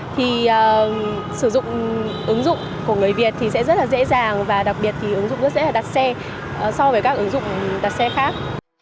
thì sử dụng ứng dụng của người việt thì sẽ rất là dễ dàng và đặc biệt thì ứng dụng rất dễ là đặt xe so với các ứng dụng đặt xe khác